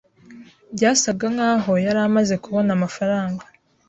Byasaga nkaho yari amaze kubona amafaranga.